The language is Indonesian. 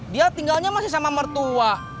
dia tinggalnya masih sama mertua